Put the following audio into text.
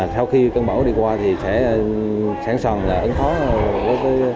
sau khi cơn bão đi qua thì sẽ sáng sần là ứng hóa